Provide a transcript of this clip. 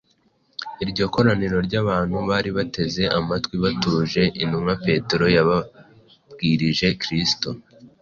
Iryo koraniro ry’abantu bari bateze amatwi batuje, intumwa Petero yababwirije Kristo: